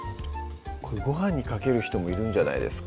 これごはんにかける人もいるんじゃないですか？